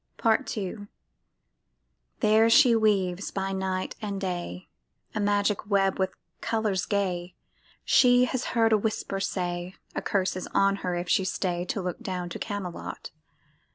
PART II There she weaves by night and day A magic web with colors gay. She has heard a whisper say, A curse is on her if she stay To look down to Camelot.